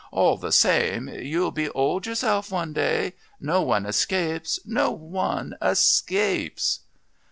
All the same, you'll be old yourself one day. No one escapes.... No one escapes...."